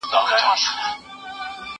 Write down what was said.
تا چي ول ته به کامياب سې